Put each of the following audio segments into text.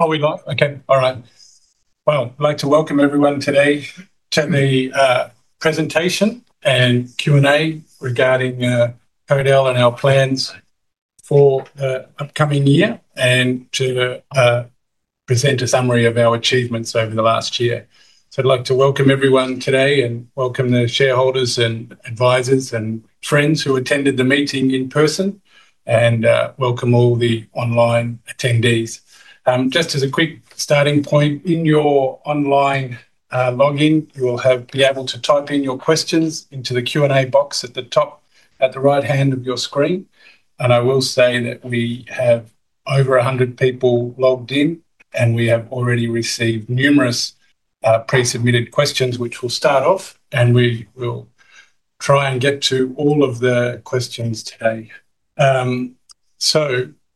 I'd like to welcome everyone today to the presentation and Q&A regarding Kodal and our plans for the upcoming year and to present a summary of our achievements over the last year. I'd like to welcome everyone today and welcome the shareholders and advisors and friends who attended the meeting in person and welcome all the online attendees. Just as a quick starting point, in your online login, you will be able to type in your questions into the Q&A box at the top at the right hand of your screen. I will say that we have over 100 people logged in and we have already received numerous pre-submitted questions which will start off and we will try and get to all of the questions today.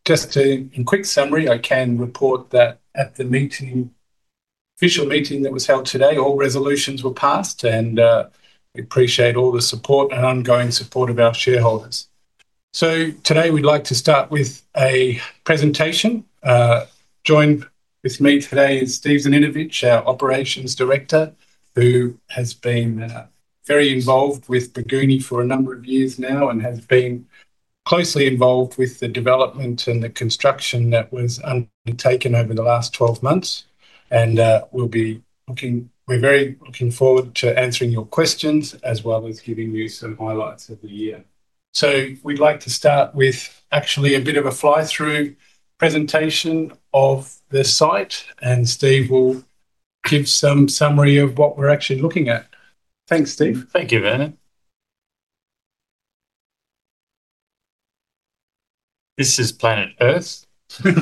Just a quick summary, I can report that at the official meeting that was held today, all resolutions were passed and we appreciate all the support and ongoing support of our shareholders. Today we'd like to start with a presentation. Joined with me today is Steve Zaninovich, our Operations Director, who has been very involved with Bougouni for a number of years now and has been closely involved with the development and the construction that was undertaken over the last 12 months. We're very much looking forward to answering your questions as well as giving you some highlights of the year. We'd like to start with actually a bit of a fly through presentation of the site and Steve will give some summary of what we're actually looking at. Thanks Steve. Thank you, Bernard. This is Planet Earth and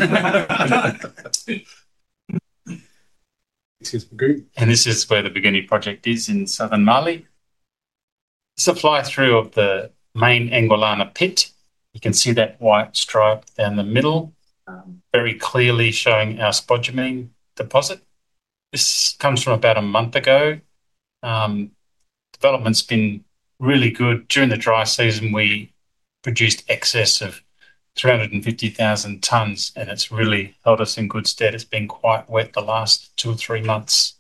this is where the Bougouni project is in Southern Mali. It's a fly through of the main Sogola-Baoulé pit. You can see that white stripe down the middle very clearly showing our spodumene deposit. This comes from about a month ago. Development's been really good. During the dry season we produced in excess of 350,000 tons and it's really held us in good stead. It's been quite wet the last two or three months.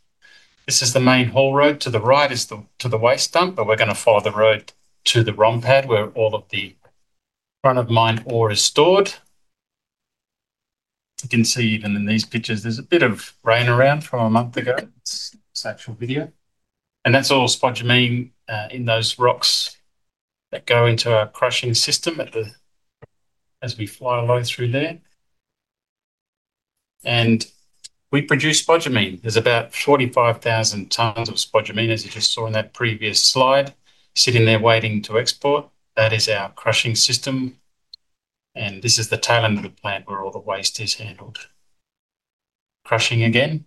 This is the main haul road. To the right is to the waste dump, but we're going to follow the road to the ROM pad where all of the front of mine ore is stored. You can see even in these pictures there's a bit of rain around from a month ago. It's actual video and that's all spodumene in those rocks that go into our crushing system. As we fly low through there, we produce spodumene. There's about 45,000 tons of spodumene as you just saw in that previous slide sitting there waiting to export. That is our crushing system and this is the tail end of the plant where all the waste is handled. Crushing again,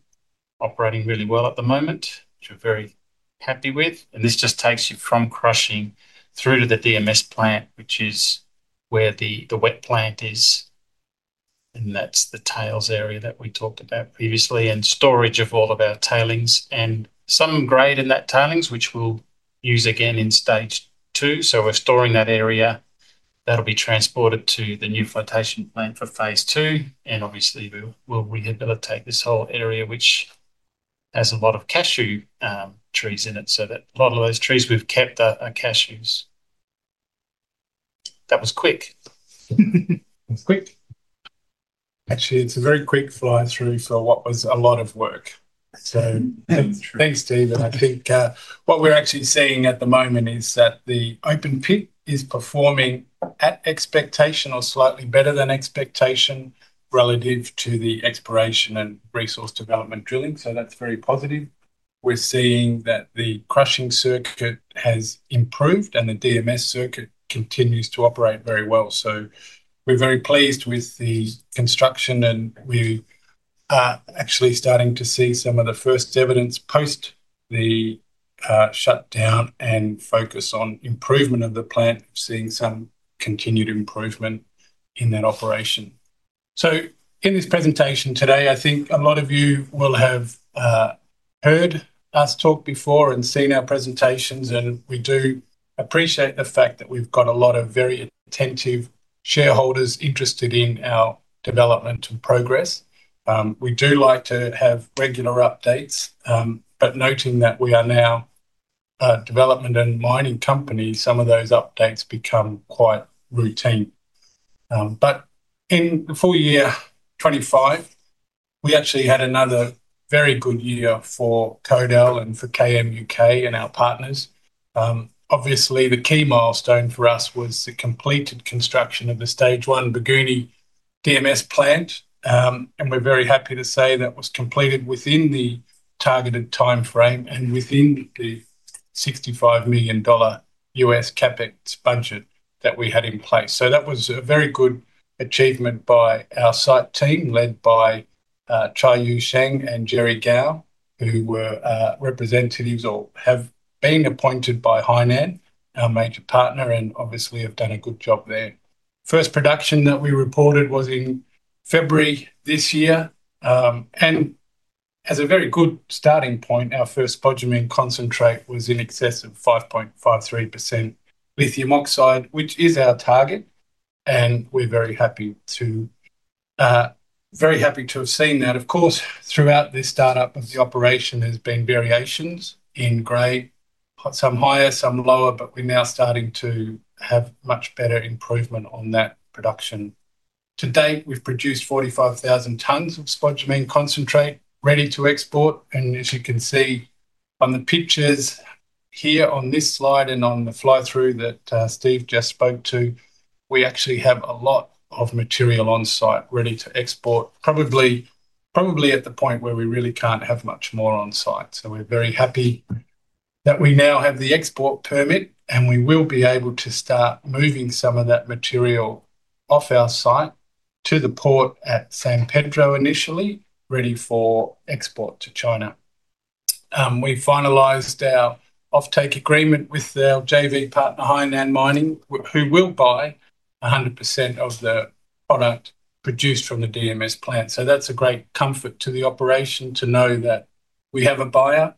operating really well at the moment, which we're very happy with. This just takes you from crushing through to the DMS plant, which is where the wet plant is. That's the tails area that we talked about previously and storage of all of our tailings and some grade in that tailings which we'll use again in Stage two. We're storing that area that'll be transported to the new flotation plant for Phase II and obviously we'll rehabilitate this whole area, which has a lot of cashew trees in it, so that a lot of those trees we've kept are cashews. That was quick. Quick, actually it's a very quick fly through for what was a lot of work. Thanks, Steve. I think what we're actually seeing at the moment is that the open pit is performing at expectation or slightly better than expectation relative to the exploration and resource development drilling. That's very positive. We're seeing that the crushing circuit has improved and the DMS circuit continues to operate very well. We're very pleased with the construction and we are actually starting to see some of the first evidence post the shutdown and focus on improvement of the plant, seeing some continued improvement in that operation. In this presentation today, I think a lot of you will have heard us talk before and seen our presentations, and we do appreciate the fact that we've got a lot of very attentive shareholders interested in our development and progress. We do like to have regular updates. Noting that we are now a development and mining company, some of those updates become quite routine. In the full year 2025, we actually had another very good year for Kodal and for KMUK and our partners. Obviously, the key milestone for us was the completed construction of the Stage one Bougouni DMS plant. We're very happy to say that was completed within the targeted timeframe and within the $65 million U.S. CapEx budget that we had in place. That was a very good achievement by our site team led by Chai Yu Sheng and Jerry Gao, who were representatives or have been appointed by Hainan Mining, our major partner, and obviously have done a good job there. First production that we reported was in February this year, and as a very good starting point, our first spodumene concentrate was in excess of 5.53% lithium oxide, which is our target. We're very happy to have seen that. Of course, throughout this startup of the operation, there's been variations in grade, some higher, some lower, but we're now starting to have much better improvement on that production. To date, we've produced 45,000 tons of spodumene concentrate ready to export. As you can see on the pictures here on this slide and on the fly through that Steve just spoke to, we actually have a lot of material on site ready to export, probably at the point where we really can't have much more on site. We're very happy that we now have the export permit and we will be able to start moving some of that material off our site to the port at San Pedro, initially ready for export to China. We finalized our offtake agreement with their JV partner Hainan Mining, who will buy 100% of the product produced from the DMS plant. That's a great comfort to the operation to know that we have a buyer.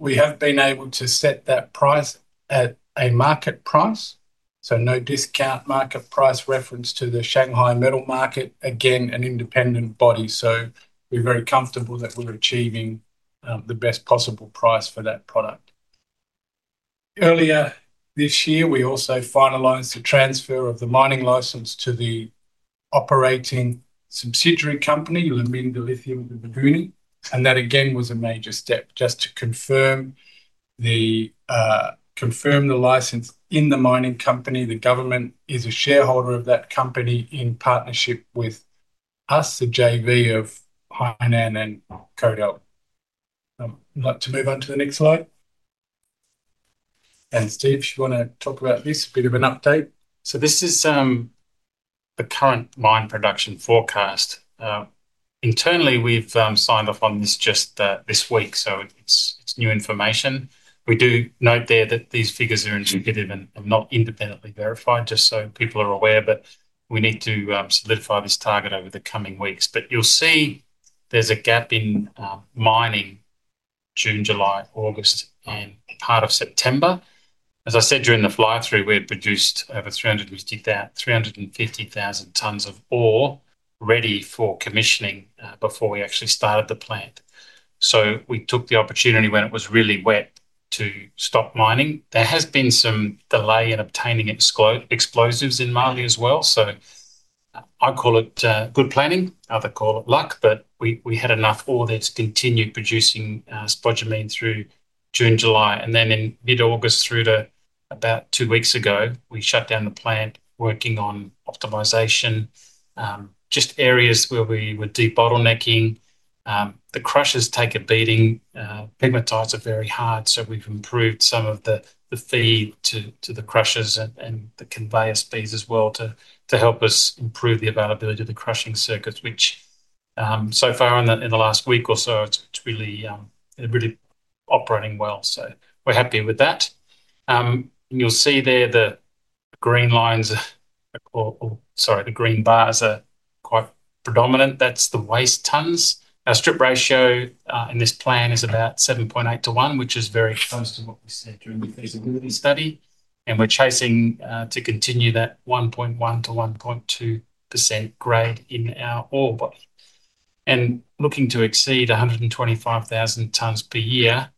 We have been able to set that price at a market price, no discount, market price reference to the Shanghai metal market, again an independent body. We're very comfortable that we're achieving the best possible price for that product. Earlier this year we also finalized the transfer of the mining license to the operating subsidiary company, La Minière de Lithium de Bougouni. That again was a major step just to confirm the license in the mining company. The government is a shareholder of that company in partnership with us, the JV of Hainan and Kodal. I'd like to move on to the next slide and Steve, you want to talk about this bit of an update. This is the current mine production forecast. Internally, we've signed off on this just this week, so it's new information. We do note there that these figures are interpretive and not independently verified, just so people are aware that we need to solidify this target over the coming weeks. You'll see there's a gap in mining: June, July, August, and part of September. As I said during the fly through, we had produced over 350,000 tons of ore ready for commissioning before we actually started the plant. We took the opportunity when it was really wet to stop mining. There has been some delay in obtaining explosives in Mali as well. I call it good planning. Others call it luck, but we had enough ore there to continue producing spodumene through June, July, and then in mid-August through to about two weeks ago we shut down the plant, working on optimization, just areas where we would do bottlenecking. The crushers take a beating. Pigment are very hard. We've improved some of the feed to the crushers and the conveyor speeds as well to help us improve the availability of the crushing circuits, which so far in the last week or so is really operating well. We're happy with that. You'll see there the green lines, sorry, the green bars are quite predominant. That's the waste tons. Our strip ratio in this plan is about 7.8:1, which is very close to what we said during the feasibility study. We're chasing to continue that 1.1%-1.2% grade in our ore and looking to exceed 125,000 tons per year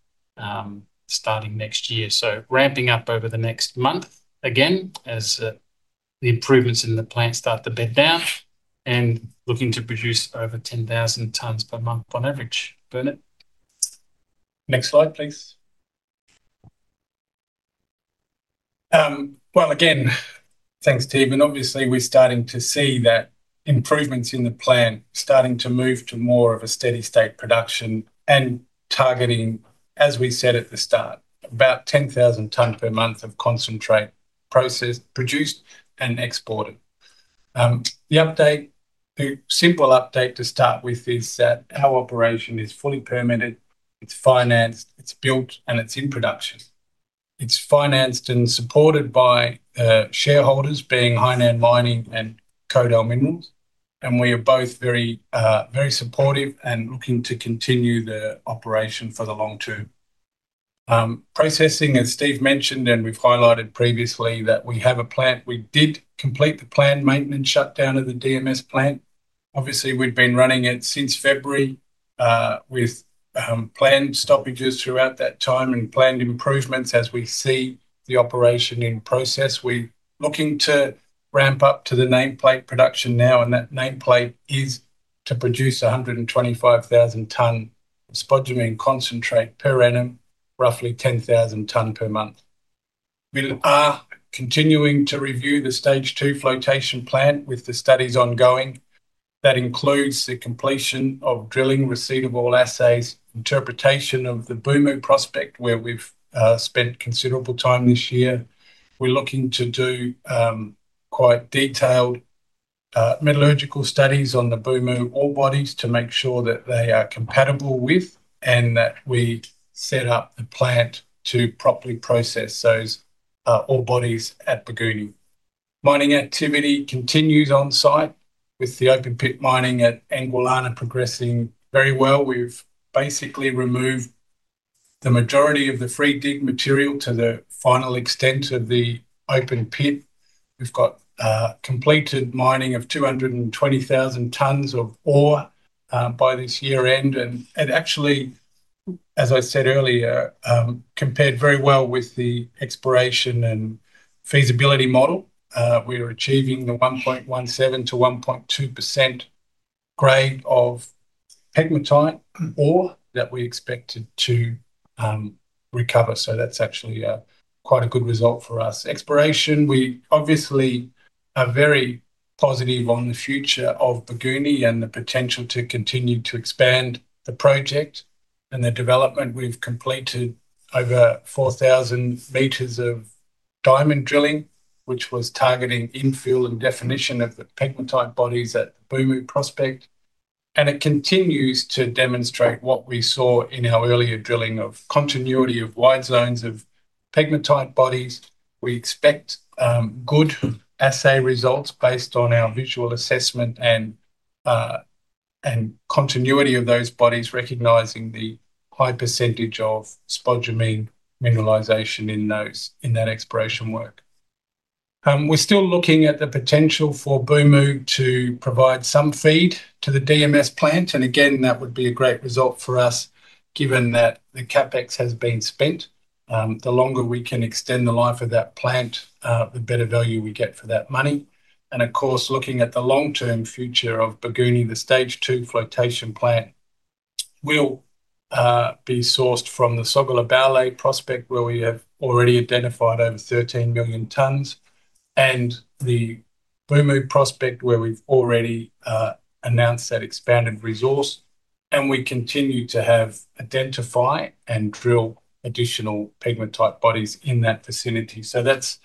starting next year. Ramping up over the next month again as the improvements in the plant start to bed down and looking to produce over 10,000 tons per month on average. Bernard, next slide, please. Thank you, team. Obviously we're starting to see that improvements in the plant are starting to move to more of a steady state production and targeting, as we said at the start, about 10,000 tons per month of concentrate processed, produced, and exported. The other day, a simple update to start with is that our operation is fully permitted, financed, built, and in production. It's financed and supported by shareholders being Hainan Mining and Kodal Minerals. We are both very, very supportive and looking to continue the operation for the long-term. Processing, as Steve mentioned, and we've highlighted previously, we have a plant. We did complete the planned maintenance shutdown of the DMS plant. We've been running it since February with planned stoppages throughout that time and planned improvements. As we see the operation in process, we're looking to ramp up to the nameplate production now. That nameplate is to produce 125,000 tons of spodumene concentrate per annum, roughly 10,000 tons per month. We are continuing to review Stage two flotation plant with the studies ongoing. That includes the completion of drilling, receipt of all assay results, interpretation of the Boumou prospect where we've spent considerable time this year. We're looking to do quite detailed metallurgical studies on the Boumou ore bodies to make sure that they are compatible with and that we set up the plant to properly process those ore bodies. At Bougouni, mining activity continues on site with the open pit mining at Angolana progressing very well. We've basically removed the majority of the free dig material to the final extent of the open pit. We've got completed mining of 220,000 tons of ore by this year end. As I said earlier, it compared very well with the exploration and feasibility model. We are achieving the 1.17%-1.2% grade of pegmatite ore that we expected to recover. That's actually quite a good result for us. We obviously are very positive on the future of Bougouni and the potential to continue to expand the project and the development. We've completed over 4,000 m of diamond drilling which was targeting infill and definition of the pegmatite bodies at Boumou prospect and it continues to demonstrate what we saw in our earlier drilling of continuity of wide zones of pegmatite bodies. We expect good assay results based on our visual assessment and continuity of those bodies, recognizing the high percentage of spodumene mineralization in that exploration work. We're still looking at the potential for Boumou to provide some feed to the DMS plant. That would be a great result for us given that the CapEx has been spent. The longer we can extend the life of that plant, the better value we get for that money. Of course, looking at the long-term future of Bougouni, Stage two flotation plant will be sourced from the Sogola-Baoulé Prospect where we have already identified over 13 million tons and the Boumou Prospect where we've already announced that expanded resource and we continue to identify and drill additional pegmatite-type bodies in that vicinity. It's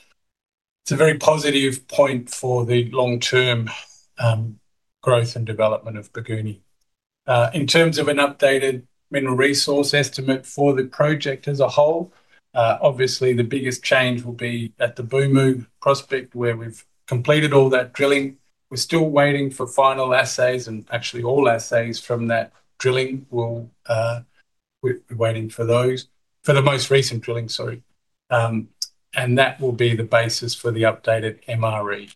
a very positive point for the long-term growth and development of Bougouni in terms of an updated mineral resource estimate for the project as a whole. Obviously, the biggest change will be at the Boumou Prospect where we've completed all that drilling. We're still waiting for final assays and actually all assays from that drilling. We will be waiting for those for the most recent drilling and that will be the basis for the updated MRE.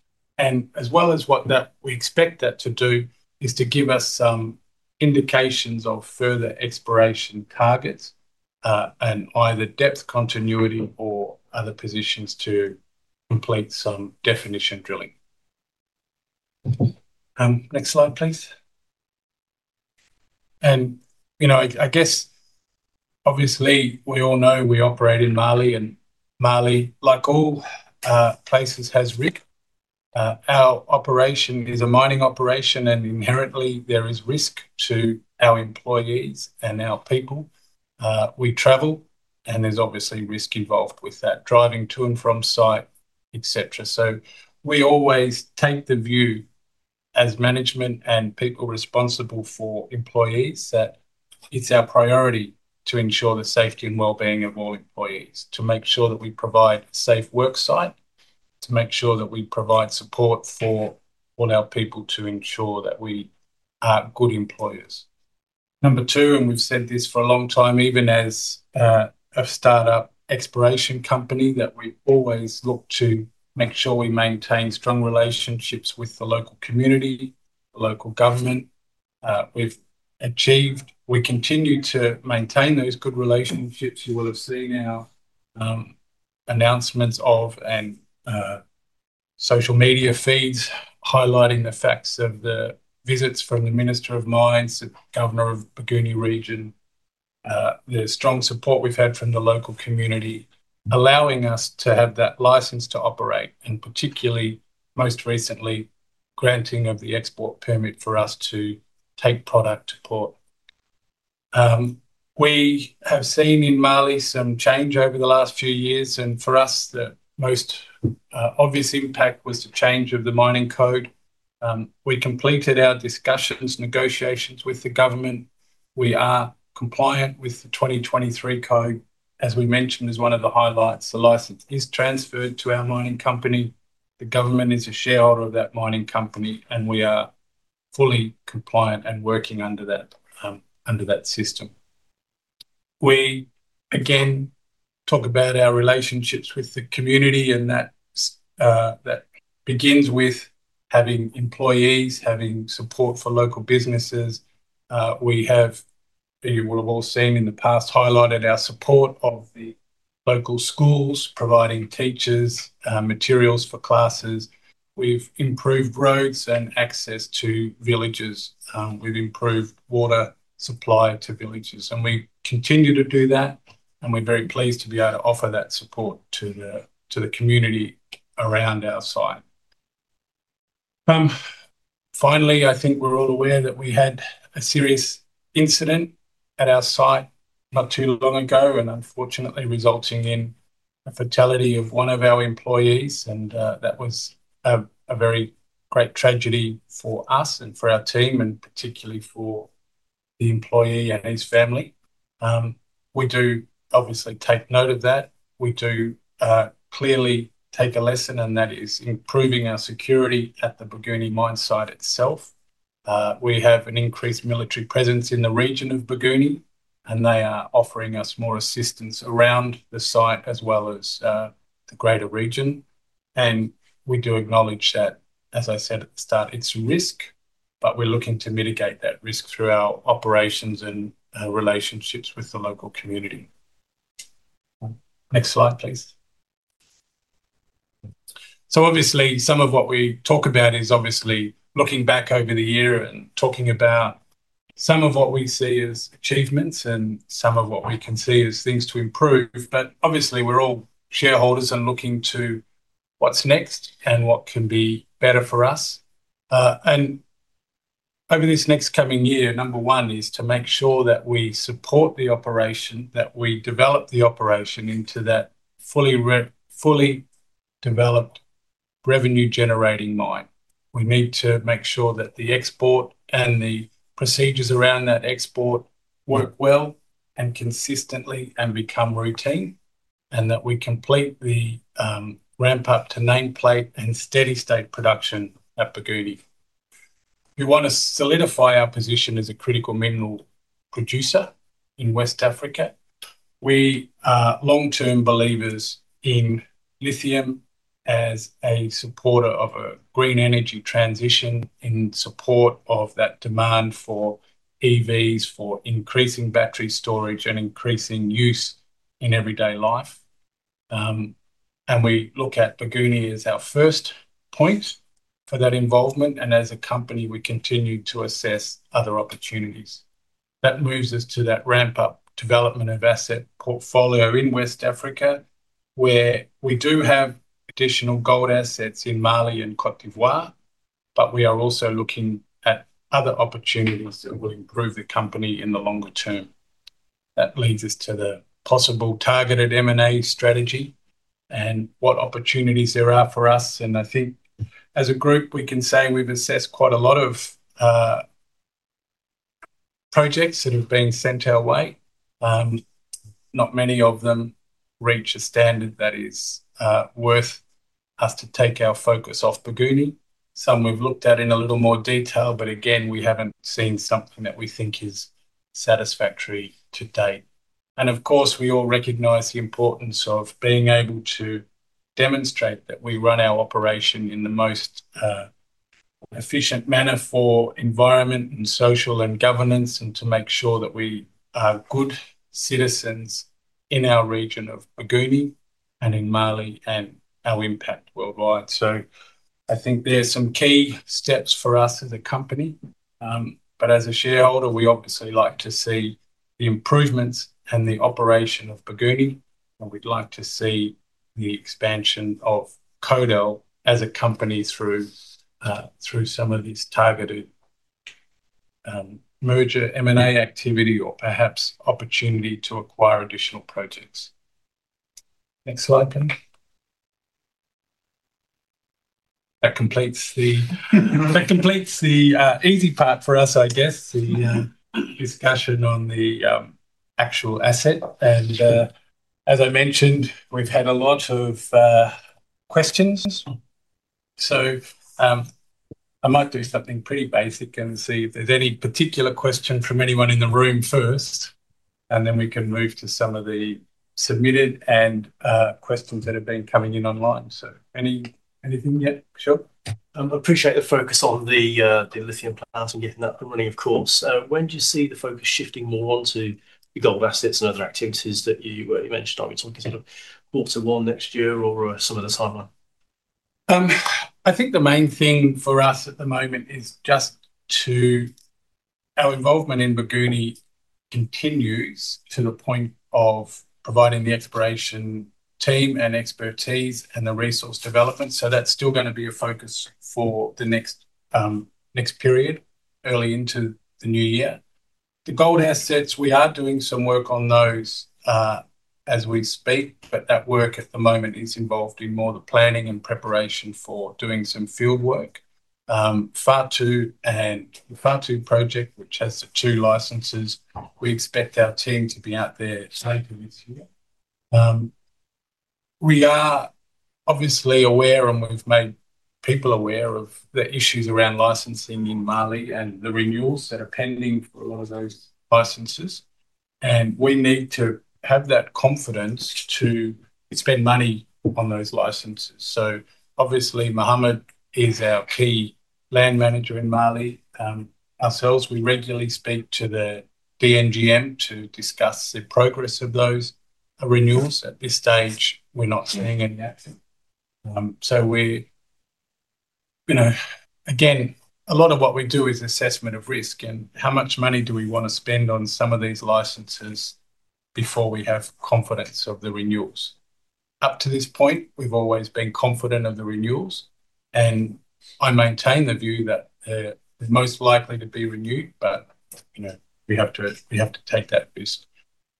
We expect that to give us some indications of further exploration targets and either depth continuity or other positions to complete some definition drilling. Next slide please. Obviously, we all know we operate in Mali and Mali, like all places, has risk. Our operation is a mining operation and inherently there is risk to our employees and our people. We travel and there's obviously risk involved with that, driving to and from site, etc. We always take the view as management and people responsible for employees that it's our priority to ensure the safety and wellbeing of all employees. We make sure that we provide a safe work site, make sure that we provide support for all our people, to ensure that we are good employers. Number two, and we've said this for a long time, even as a startup exploration company, we always look to make sure we maintain strong relationships with the local community and local government. We've achieved and we continue to maintain those good relationships. You will have seen our announcements and social media feeds highlighting the facts of the visits from the Minister of Mines, the Governor of Bougouni region, the strong support we've had from the local community allowing us to have that license to operate, and particularly most recently, granting of the export permit for us to take product to port. We have seen in Mali some change over the last few years and for us, the most obvious impact was the change of the mining code. We completed our discussions, negotiations with the government. We are compliant with the 2023 code, as we mentioned is one of the highlights. The license is transferred to our mining company. The government is a shareholder of that mining company and we are fully compliant and working under that, under that system. We again talk about our relationships with the community and that begins with having employees, having support for local businesses. You will have all seen in the past, highlighted our support of the local schools, providing teachers, materials for classes. We've improved roads and access to villages, we've improved water supply to villages and we continue to do that and we're very pleased to be able to offer that support to the community around our site. Finally, I think we're all aware that we had a serious incident at our site not too long ago and unfortunately resulting in the fatality of one of our employees. That was a very great tragedy for us and for our team and particularly for the employee and his family. We do obviously take note of that. We do clearly take a lesson and that is improving our security at the Bougouni mine site itself. We have an increased military presence in the region of Bougouni and they are offering us more assistance around the site as well as the greater region. We do acknowledge that, as I said at the start, it's risk, but we're looking to mitigate that risk through our operations and relationships with the local community. Next slide, please. Obviously some of what we talk about is obviously looking back over the year and talking about some of what we see as achievements and some of what we can see as things to improve. Obviously we're all shareholders and looking to what's next and what can be better for us and over this next coming year, number one is to make sure that we support the operation, that we develop the operation into that fully developed revenue generating mine. We need to make sure that the export and the procedures around that export work well and consistently and become routine, and that we complete the ramp up to nameplate and steady state production. At Bougouni, we want to solidify our position as a critical mineral producer in West Africa. We are long term believers in lithium as a supporter of a green energy transition in support of that demand for EVs, for increasing battery storage, and increasing use in everyday life. We look at Bougouni as our first point for that involvement. As a company, we continue to assess other opportunities that move us to that ramp up development of asset portfolio in West Africa, where we do have additional gold assets in Mali and Côte d’Ivoire. We are also looking at other opportunities that will improve the company in the longer term. That leads us to the possible targeted M&A strategy and what opportunities there are for us. I think as a group we can say we've assessed quite a lot of projects that have been sent our way. Not many of them reach a standard that is worth us to take our focus off Bougouni. Some we've looked at in a little more detail, but again we haven't seen something that we think is satisfactory to date. Of course, we all recognize the importance of being able to demonstrate that we run our operation in the most efficient manner for environment, social, and governance and to make sure that we are good citizens in our region of Bougouni and in Mali and our impact worldwide. I think there are some key steps for us as a company. As a shareholder we obviously like to see the improvements and the operation of Bougouni and we'd like to see the expansion of Kodal as a company through some of these targeted merger M&A activity or perhaps opportunity to acquire additional projects. Next slide. That completes the easy part for us, I guess the discussion on the actual asset. As I mentioned, we've had a lot of questions. I might do something pretty basic and see if there's any particular question from anyone in the room first, and then we can move to some of the submitted questions that have been coming in online. Anything yet? Sure, I appreciate the focus on the lithium plant and getting that and running, of course. When do you see the focus shifting more onto the gold assets and other activities that you mentioned? Are we talking sort of four to one, next year, or some of the timeline? I think the main thing for us at the moment is just our involvement in Bougouni continues to the point of providing the exploration team and expertise and the resource development. That's still going to be a focus for the next period early into the new year. The gold assets, we are doing some work on those as we speak, but that work at the moment is involved in more the planning and preparation for doing some field work. The FAR2 project, which has the two licenses, we expect our team to be out there later this year. We are obviously aware and we've made people aware of the issues around licensing in Mali and the renewals that are pending for a lot of those licenses. We need to have that confidence to spend money on those licenses. Obviously, Mohammad is our key land manager in Mali. Ourselves, we regularly speak to the DNGM to discuss the progress of those renewals. At this stage, we're not seeing any accidents. A lot of what we do is assessment of risk and how much money do we want to spend on some of these licenses before we have confidence of the renewals? Up to this point, we've always been confident of the renewals and I maintain the view that they're most likely to be renewed. We have to take that boost.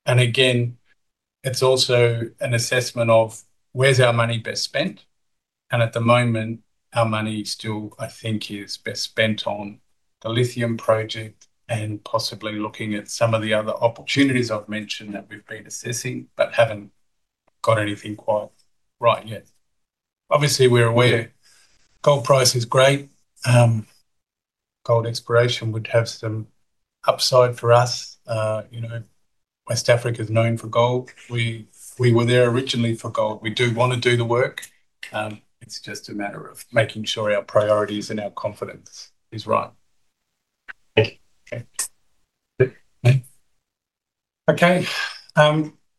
It's also an assessment of where's our money best spent. At the moment, our money still, I think, is best spent on the lithium project and possibly looking at some of the other opportunities I've mentioned that we've been assessing but haven't got anything quite right. Obviously, we're aware gold price is great. Gold exploration would have some upside for us. West Africa is known for gold. We were there originally for gold. We do want to do the work. It's just a matter of making sure our priorities and our confidence is right. I'll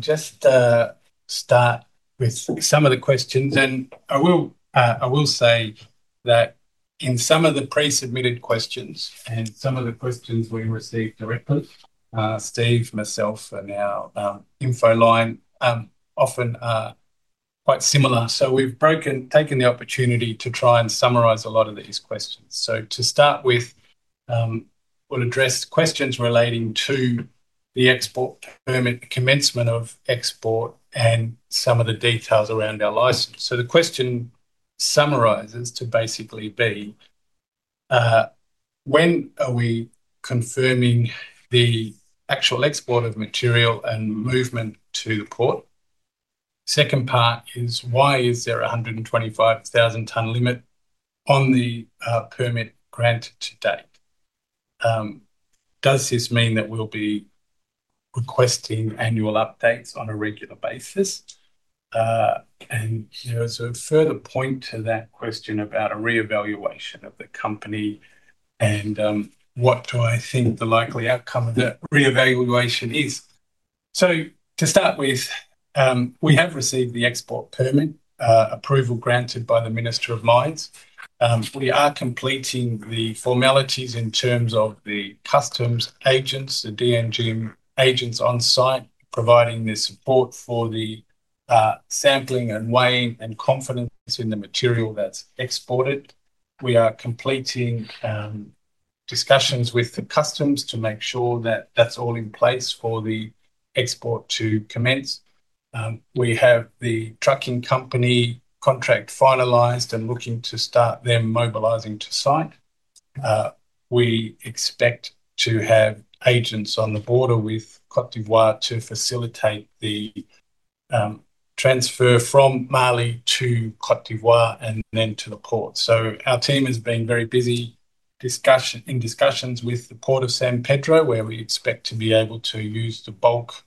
just start with some of the questions and I will say that in some of the pre-submitted questions and some of the questions we received directly, Steve, myself, and our infoline often are quite similar. We've taken the opportunity to try and summarize a lot of these questions. To start with, we'll address questions relating to the export permit, commencement of export, and some of the details around our life. The question summarizes to basically be when are we confirming the actual export of material and movement to the port? The second part is why is there a 125,000 tonne limit on the permit grant to date? Does this mean that we'll be requesting annual updates on a regular basis? Further point to that question about a reevaluation of the company and what do I think the likely outcome of the reevaluation is? To start with, we have received the export permit approval granted by the Minister of Mines. We are completing the formalities in terms of the customs agents, the DNG agents on site providing the support for the sampling and weighing and confidence in the material that's exported. We are completing discussions with the customs to make sure that that's all in place for the export to commence. We have the trucking company contract finalized and looking to start them mobilizing to site. We expect to have agents on the border with Côte d’Ivoire to facilitate the transfer from Mali to Côte d’Ivoire and then to the port. Our team has been very busy in discussions with the port of San Pedro where we expect to be able to use the bulk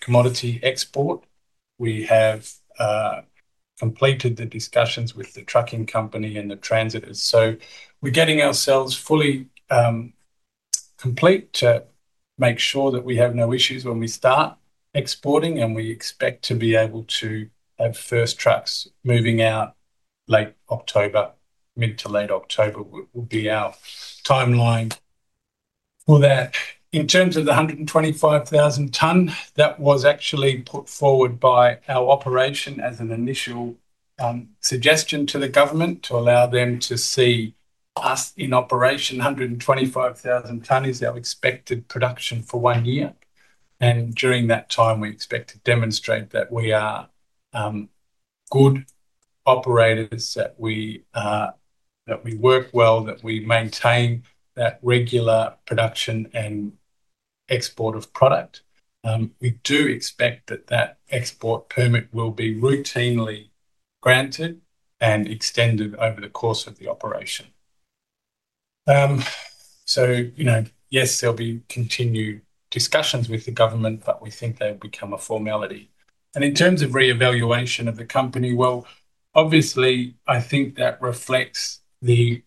commodity export. We have completed the discussions with the trucking company and the transitors. We're getting ourselves fully complete to make sure that we have no issues when we start exporting. We expect to be able to have first trucks moving out late October, mid to late October will be our timeline. In terms of the 125,000 ton, that was actually put forward by our operation as an initial suggestion to the government to allow them to see us in operation. 125,000 ton is our expected production for one year. During that time we expect to demonstrate that we are good operators, that we work well, that we maintain that regular production and export of product. We do expect that that export permit will be routinely granted and extended over the course of the operation. Yes, there'll be continued discussions with the government but we think they've become a formality. In terms of reevaluation of the company, obviously I think that reflects the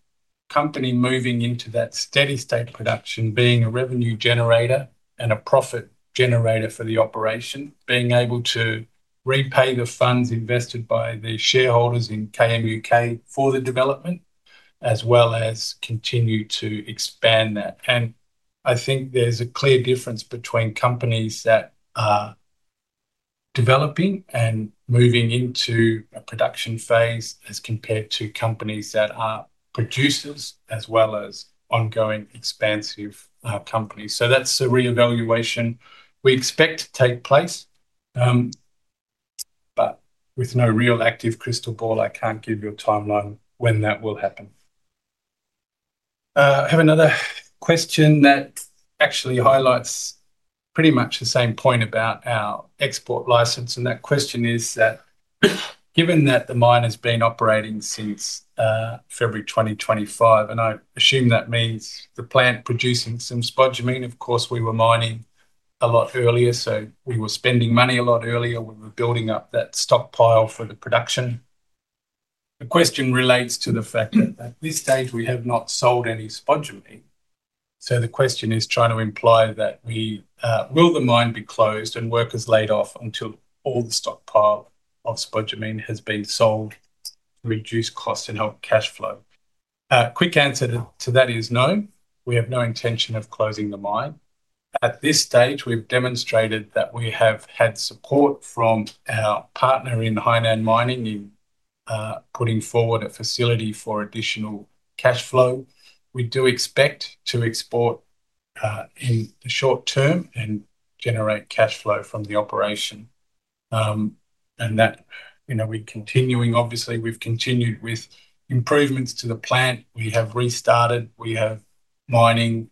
company moving into that steady state, production being a revenue generator and a profit generator for the operation, being able to repay the funds invested by the shareholders in KMUK for the development as well as continue to expand that. I think there's a clear difference between companies that are developing and moving into a production phase as compared to companies that are producers as well as ongoing expansive companies. That's a reevaluation we expect to take place, but with no real active crystal ball. I can't give you a timeline when that will happen. I have another question that actually highlights pretty much the same point about our export license, and that question is that given that the mine has been operating since February 2025, and I assume that means the plant producing some spodumene. Of course, we were mining a lot earlier, so we were spending money a lot earlier. We were building up that stockpile for the production. The question relates to the fact that at this stage we have not sold any spodumene. The question is trying to imply that we will the mine be closed and workers laid off until all the stockpile of spodumene has been sold, reduce cost and help cash flow. Quick answer to that is no. We have no intention of closing the mine at this stage. We've demonstrated that we have had support from our partner in Hainan Mining in putting forward a facility for additional cash flow. We do expect to export in the short-term and generate cash flow from the operation, and that, you know, we're continuing, obviously we've continued with improvements to the plant. We have restarted, we have mining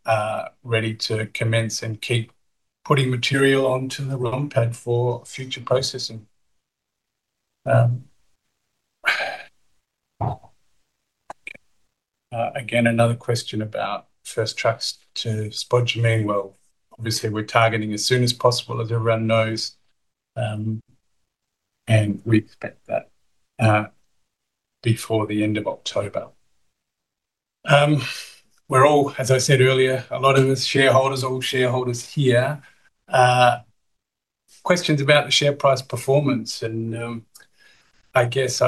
ready to commence and keep putting material onto the run pad for future processing. Another question about first trucks to spodumene. Obviously, we're targeting as soon as possible, as everyone knows, and we expect that before the end of October. We're all, as I said earlier, a lot of us shareholders, all shareholders here, questions about the share price performance. I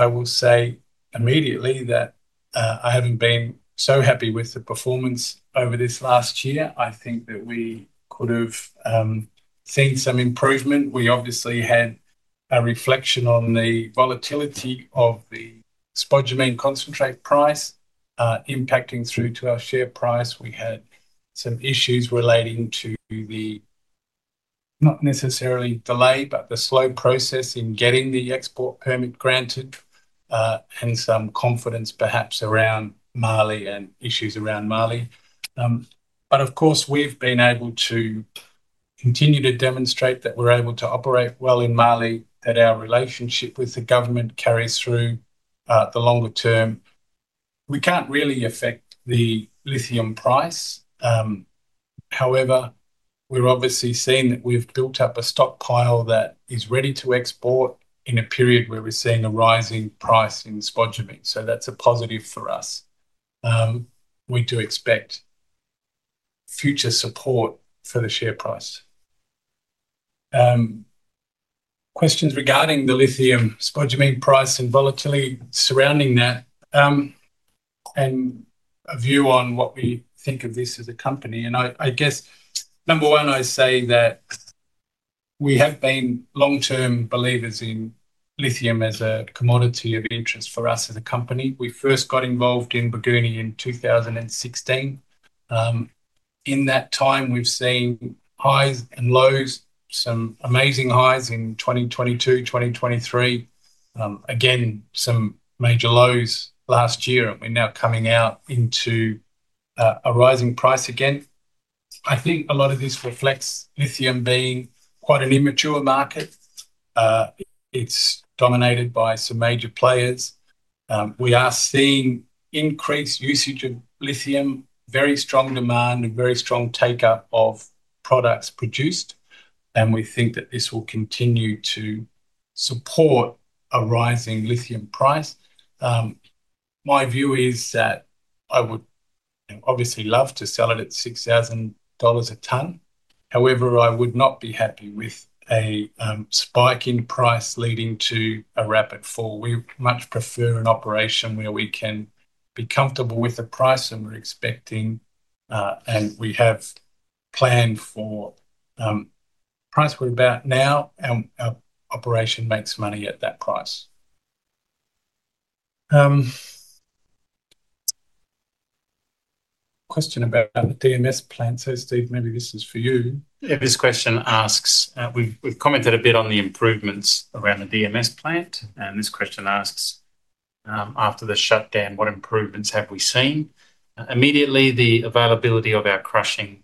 will say immediately that I haven't been so happy with the performance over this last year. I think that we could have seen some improvement. We obviously had a reflection on the volatility of the spodumene concentrate price impacting through to our share price. We had some issues relating to the, not necessarily delay, but the slow process in getting the export permit granted and some confidence perhaps around Mali and issues around Mali. Of course, we've been able to continue to demonstrate that we're able to operate well in Mali, that our relationship with the government carries through the longer term. We can't really affect the lithium price. However, we're obviously saying that we've built up a stockpile that is ready to export in a period where we're seeing a rising price in spodumene. That's a positive for us. We do expect future support for the share price. Questions regarding the lithium spodumene price and volatility surrounding that and a view on what we think of this as a company. I guess, number one, I say that we have been long term believers in lithium as a commodity of interest for us as a company. We first got involved in Bougouni in 2016. In that time we've seen highs and lows. Some amazing highs in 2022, 2023, again, some major lows last year. We're now coming out into a rising price again. I think a lot of this reflects lithium being quite an immature market. It's dominated by some major players. We are seeing increased usage of lithium, very strong demand and very strong takeout of products produced. We think that this will continue to support a rising lithium price. My view is that I would obviously love to sell it at $6,000 a ton. However, I would not be happy with a spike in price leading to a rapid fall. We much prefer an operation where we can be comfortable with the price. We're expecting and we have planned for price quite about now. Our operation makes money at that price. Question about the DMS plant. Steve, maybe this is for you. This question asks, we've commented a bit on the improvements around the DMS plant. This question asks, after the shutdown, what improvements have we seen immediately? The availability of our crushing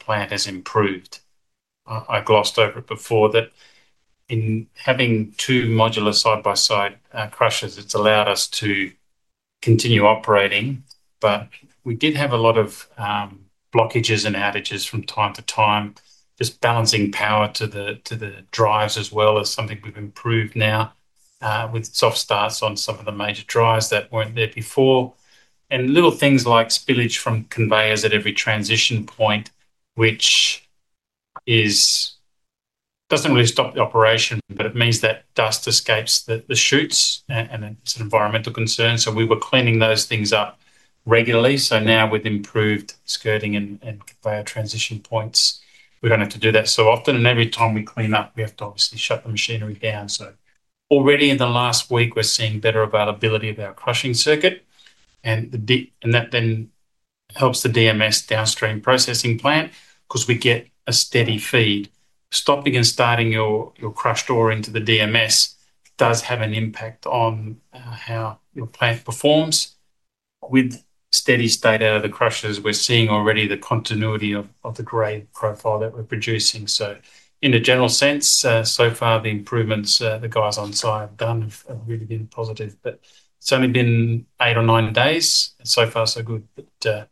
plant has improved. I glossed over it before that in having two modular side-by-side crushers, it's allowed us to continue operating. We did have a lot of blockages and outages from time to time, just balancing power to the drives as well. That's something we've improved now with soft starts on some of the major drives that weren't there before, and little things like spillage from conveyors at every transition point, which doesn't really stop the operation, but it means that dust escapes the chutes and it's an environmental concern. We were cleaning those things up regularly. Now with improved skirting and layer transition points, we don't have to do that so often. Every time we clean up, we have to obviously shut the machinery down. Already in the last week, we're seeing better availability of our crushing circuit. That then helps the DMS downstream processing plant because we get a steady feed. Stopping and starting your crushed ore into the DMS does have an impact on how your plant performs. With steady state out of the crushers, we're seeing already the continuity of the grade profile that we're producing. In a general sense, so far the improvements the guys on site have done have really been positive. It's only been eight or nine days. So far so good that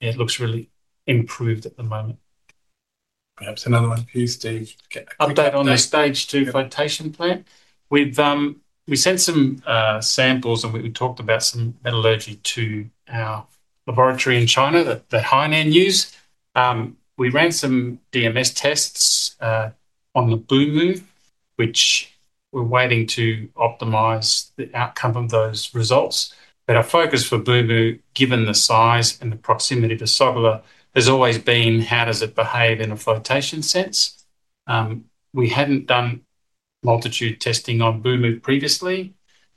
it looks really improved at the moment. Perhaps another one, please, Steve. Update on Stage two flotation plant. We sent some samples and we talked about some metallurgy to our laboratory in China that Hainan Mining uses. We ran some DMS tests on the Boumou, which we're waiting to optimize the outcome of those results. Our focus for Boumou, given the size and the proximity of the Sogola-Baoulé, has always been how does it behave in a flotation sense. We hadn't done multitude testing on Boumou previously.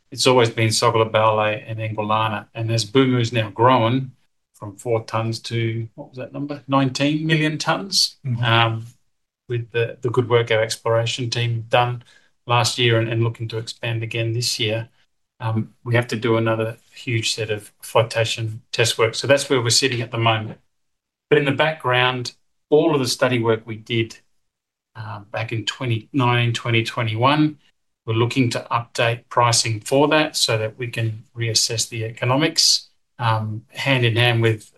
It's always been Sogola-Baoulé and Angolana. As Boumou's now grown from four million tons to, what was that number, 19 million tons, with the good work our exploration team done last year and looking to expand again this year, we have to do another huge set of flotation test work. That's where we're sitting at the moment. In the background, all of the study work we did back in 2019, 2021, we're looking to update pricing for that so that we can reassess the economics hand in hand with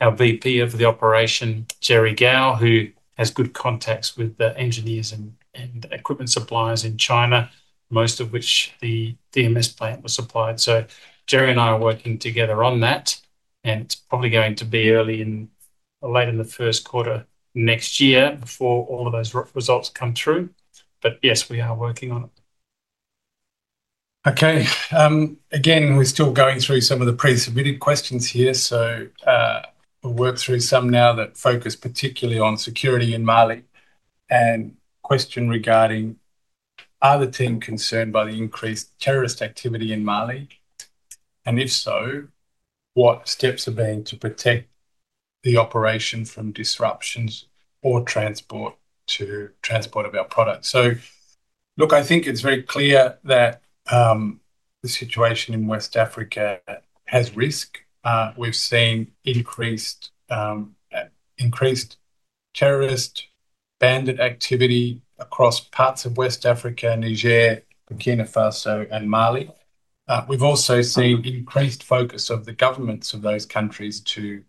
our VP of the operation, Jerry Gao, who has good contacts with the engineers and equipment suppliers in China, most of which the DMS plant was supplied. Jerry and I are working together on that and it's probably going to be late in the first quarter next year before all of those results come true. Yes, we are working on it. Okay, again we're still going through some of the pre-submitted questions here, so we'll work through some now that focus particularly on security in Mali. A question regarding are the team concerned by the increased terrorist activity in Mali and if so, what steps have been taken to protect the operation from disruptions or transport about products? I think it's very clear that the situation in West Africa has risk. We've seen increased terrorist and bandit activity across parts of West Africa, Niger, Burkina Faso, and Mali. We've also seen increased focus of the governments of those countries to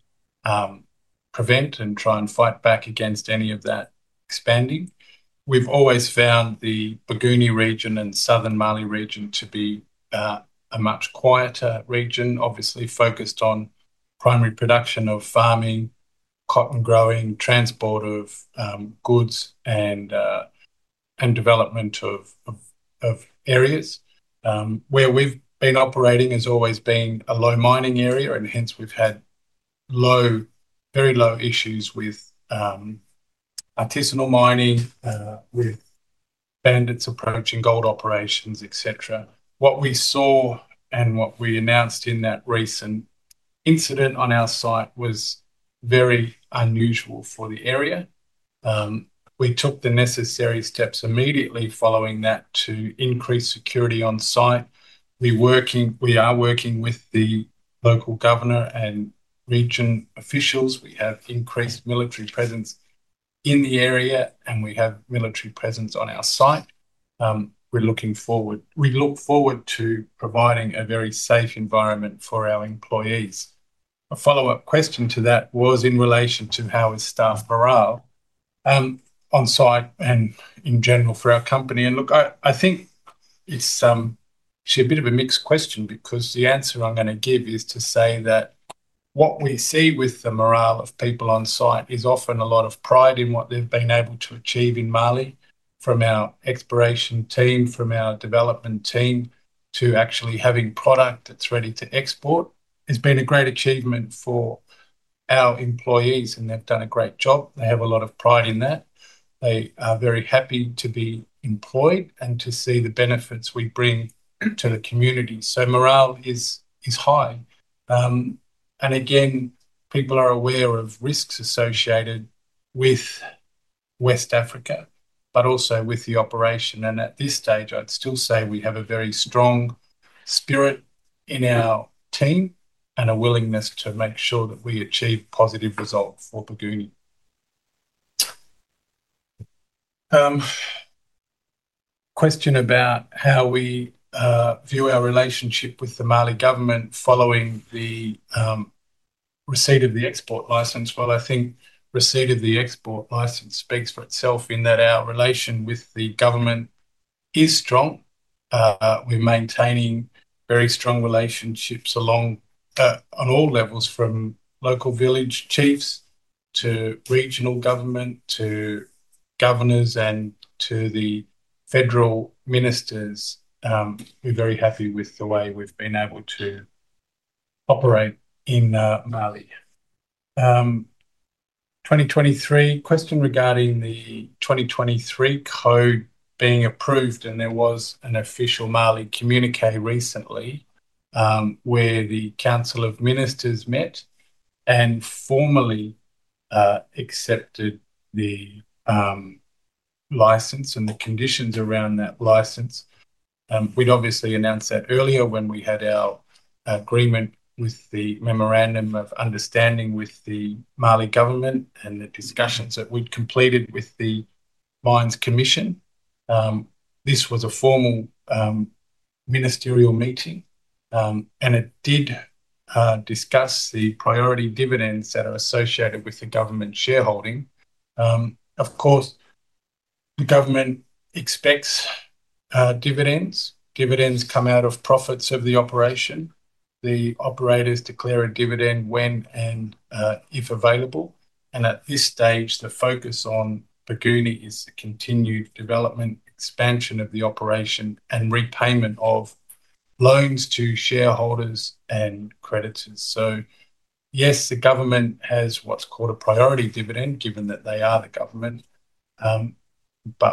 prevent and try and fight back against any of that expanding. We've always found the Bougouni region and southern Mali region to be a much quieter region. Obviously focused on primary production of farming, cotton growing, transport of goods, and development of areas where we've been operating has always been a low mining area and hence we've had low, very low issues with artisanal mining, with bandits approaching, gold operations, etc. What we saw and what we announced in that recent incident on our site was very unusual for the area. We took the necessary steps immediately following that to increase security on site. We are working with the local governor and regional officials. We have increased military presence in the area and we have military presence on our site. We look forward to providing a very safe environment for our employees. A follow-up question to that was in relation to how is staff morale on site and in general for our company. I think it's a bit of a mixed question because the answer I'm going to give is to say that what we see with the morale of people on site is often a lot of pride in what they've been able to achieve in Mali. From our exploration team, from our development team, to actually having product that's ready to export has been a great achievement for our employees and they've done a great job. They have a lot of pride in that, they are very happy to be employed and to see the benefits we bring to the community. Morale is high and again, people are aware of risks associated with West Africa, but also with the operation. At this stage I'd still say we have a very strong spirit in our team and a willingness to make sure that we achieve positive results. Bougouni question about how we view our relationship with the Mali government following the receipt of the export license? I think receipt of the export license speaks for itself in that our relation with the government is strong. We're maintaining very strong relationships on all levels, from local village chiefs to regional government to governors and to the federal ministers. We're very happy with the way we've been able to operate in Mali. There was a question regarding the 2023 code being approved and there was an official Mali communique recently where the Council of Ministers met and formally accepted the license and the conditions around that license. We'd obviously announced that earlier when we had our agreement with the Memorandum of Understanding with the Mali government and the discussions that we'd completed with the Mines Commission. This was a formal ministerial meeting and it did discuss the priority dividends that are associated with the government shareholding. Of course, the government expects dividends. Dividends come out of profits of the operation. The operators declare a dividend when and if available. At this stage, the focus on Bougouni is the continued development, expansion of the operation, and repayment of loans to shareholders and creditors. Yes, the government has what's called a priority dividend, given that they are the government.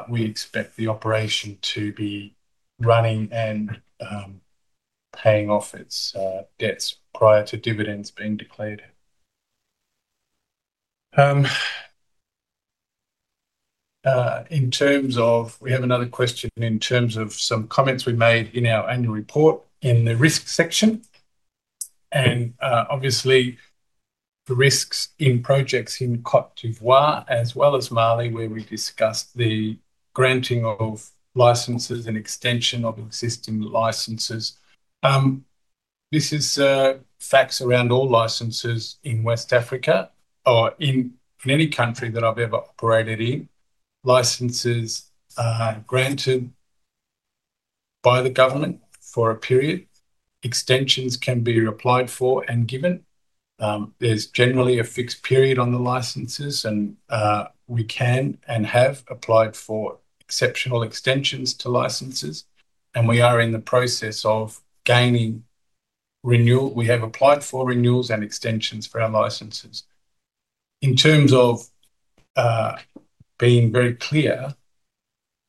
We expect the operation to be running and paying off its debts prior to dividends being declared. We have another question in terms of some comments we made in our annual report in the risk section and obviously the risks in projects in Côte d’Ivoire as well as Mali where we discussed the granting of licenses and extension of existing licenses. This is fact around all licenses in West Africa or in any country that I've ever operated in. Licenses are granted by the government for a period. Extensions can be applied for and given. There's generally a fixed period on the licenses and we can and have applied for exceptional extensions to licenses and we are in the process of gaining renewal. We have applied for renewals and extensions for our licenses. To be very clear,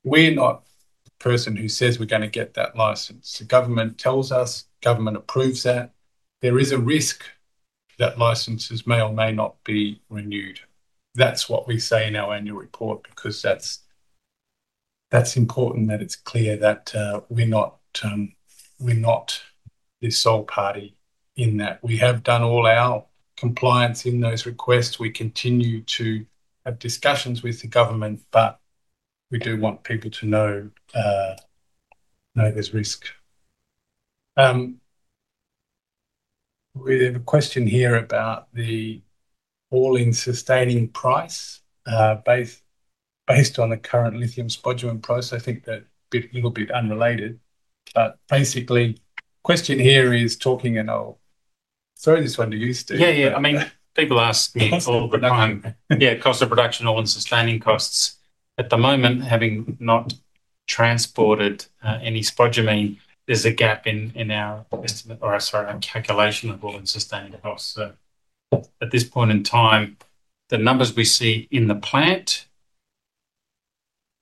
we are not the person who says we're going to get that license. The government tells us, government approves, that there is a risk that licenses may or may not be renewed. That's what we say in our annual report because that's important, that it's clear that we're not the sole party in that we have done all our compliance in those requests. We continue to have discussions with the government, but we do want people to know there's risk. We have a question here about the all-in sustaining price based on the current lithium spodumene price. I think that's a little bit unrelated, but basically the question here is talking, and I'll throw this one to you, Steve. Yeah, yeah. I mean people ask me all the time, yeah, cost of production, all-in sustaining costs. At the moment, having not transported any spodumene, there's a gap in our estimate or sorry our calculation of all-in sustaining cost. At this point in time, the numbers we see in the plant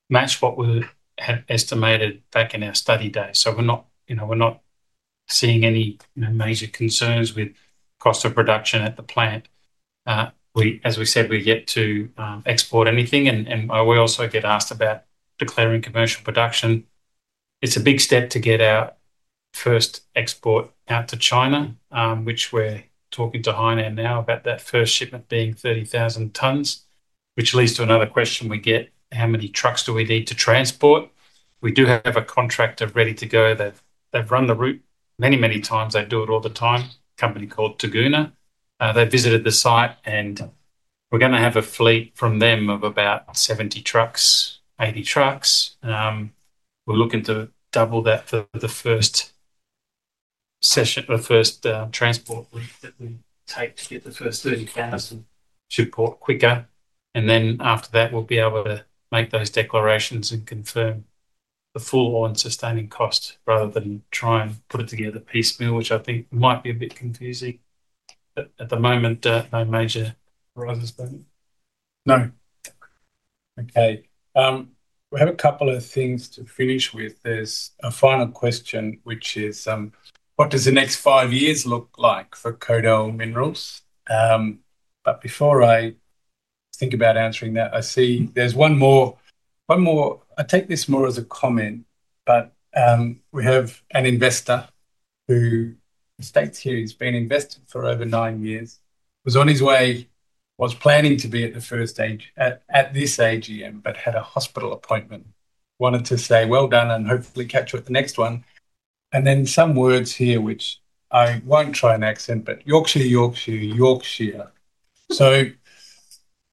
match what we had estimated back in our study day. We're not, you know, we're not seeing any major concerns with cost of production at the plant. As we said, we get to export anything and we also get asked about declaring commercial production. It's a big step to get our first export out to China, which we're talking to Hainan Mining now about that first shipment being 30,000 tons. Which leads to another question. We get how many trucks do we need to transport? We do have a contractor ready to go. They've run the route many, many times. They do it all the time. Company called Taguna, they visited the site and we're going to have a fleet from them of about 70 trucks, 80 trucks. We're looking to double that for the first session. The first transport lease that we take to get the first 30,000 to port quicker and then after that we'll be able to make those declarations and confirm the full all-in sustaining cost rather than try and put it together piecemeal, which I think might be a bit confusing at the moment. No major horizons. No. Okay, we have a couple of things to finish with. There's a final question which is what does the next five years look like for Kodal Minerals. Before I think about answering that, I see there's one more. I take this more as a comment, but we have an investor who states here he's been invested for over nine years, was on his way, was planning to be at the first AGM but had a hospital appointment, wanted to say well done and hopefully catch you at the next one. There are some words here which I won't try and accent, but Yorkshire, Yorkshire, Yorkshire.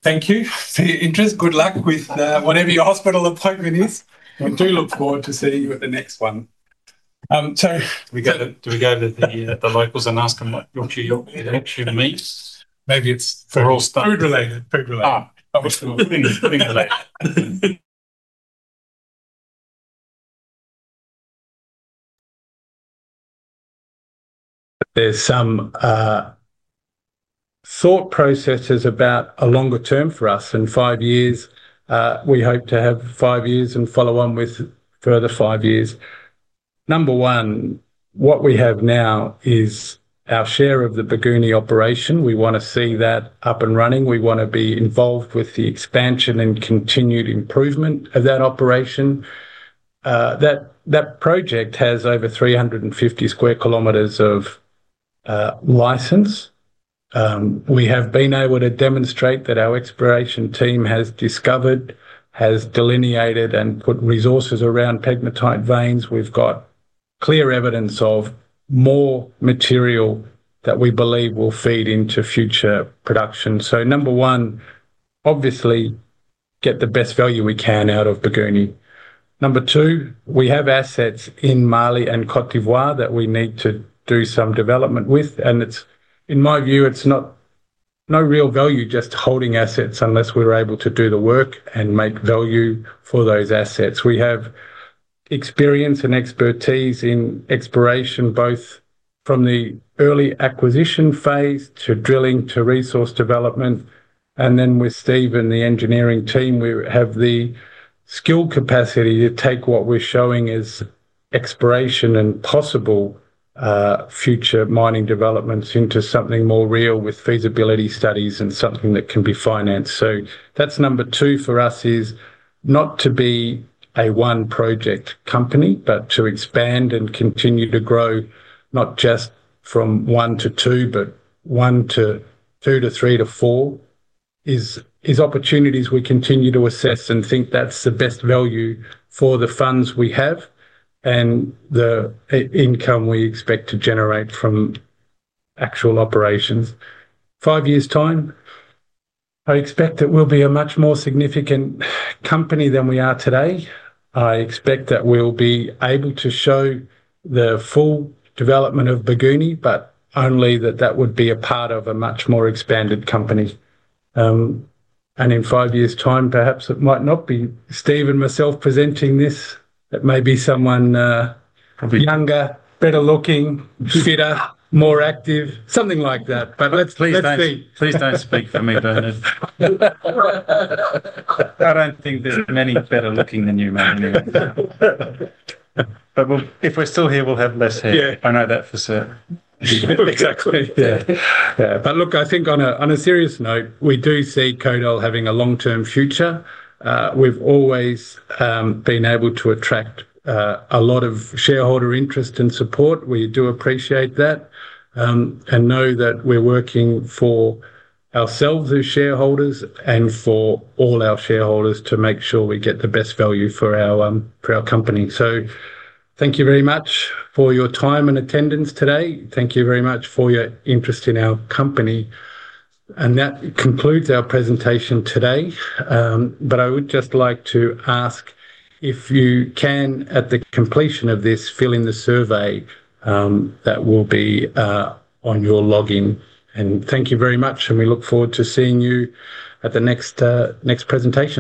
Thank you for your interest. Good luck with whatever your hospital appointment is. I do look forward to seeing you at the next one. Terry, do we go to the locals. Ask them what Yorkshire meat? Maybe it's for all stuff food related. There's some thought processes about a longer term for us. In five years we hope to have five years and follow on with further five years. Number one, what we have now is our share of the Bougouni operation. We want to see that up and running. We want to be involved with the expansion and continued improvement of that operation. That project has over 350 sq km of license. We have been able to demonstrate that our exploration team has discovered, has delineated, and put resources around pegmatite veins. We've got clear evidence of more material that we believe will feed into future production. Number one, obviously get the best value we can out of Bougouni. Number two, we have assets in Mali and Côte d’Ivoire that we need to do some development with. In my view, it's not real value just holding assets unless we're able to do the work and make value for those assets. We have experience and expertise in exploration both from the early acquisition phase to drilling to resource development. With Steve and the engineering team, we have the skill capacity to take what we're showing as exploration and possible future mining developments into something more real with feasibility studies and something that can be financed. Number two for us is not to be a one project company but to expand and continue to grow not just from one to two but one to two to three to four as opportunities we continue to assess and think that's the best value for the funds we have and the income we expect to generate from actual operations. In five years' time, I expect that we'll be a much more significant company than we are today. I expect that we'll be able to show the full development of Bougouni, but only that would be a part of a much more expanded company. In five years' time, perhaps it might not be Steve and myself presenting this. It may be someone younger, better looking, fitter, more active, something like that. Let's speak. Please don't speak for me, Bernard. I don't think there's many better looking. Thank you, man, anyway. If we're still here, we'll have less hair. I know that for certain. Exactly. I think on a serious note, we do see Kodal Minerals having a long-term future. We've always been able to attract a lot of shareholder interest and support. We do appreciate that and know that we're working for ourselves as shareholders and for all our shareholders to make sure we get the best value for our company. Thank you very much for your time and attendance today. Thank you very much for your interest in our company. That concludes our presentation today. I would just like to ask if you can, at the completion of this, fill in the survey that will be on your login. Thank you very much and we look forward to seeing you at the next presentation.